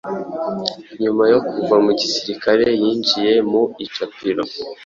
Nyuma yo kuva mu gisirikare yinjiye mu icapiro